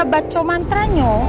kita baca mantra nya